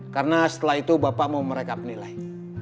karena setelah itu bapak mau mereka penilai